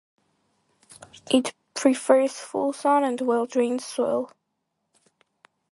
It prefers full sun and well-drained soil.